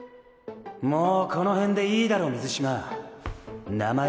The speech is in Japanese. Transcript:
もうこの辺でいいだろ水嶋名前